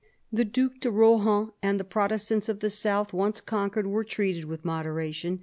The Due de Rohan and the Protestants of the south, once conquered, were treated with moderation.